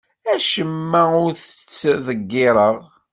Acemma ur t-ttḍeggireɣ.